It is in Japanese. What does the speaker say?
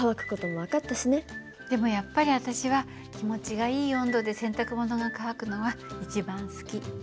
でもやっぱり私は気持ちがいい温度で洗濯物が乾くのが一番好き。